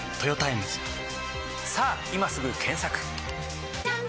さぁ今すぐ検索！